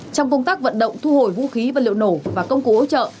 trong công tác vận động thu hồi vũ khí vật liệu nổ và công cụ hỗ trợ